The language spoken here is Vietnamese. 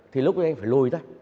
thì lúc đó anh phải lôi thôi